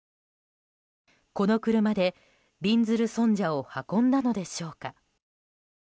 この車で、びんずる尊者を運んだのでしょうか。